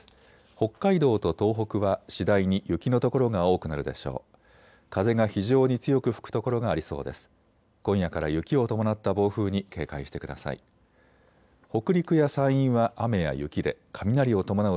北海道と東北は次第に雪の所が多くなるでしょう。